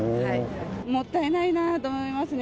もったいないなと思いますね。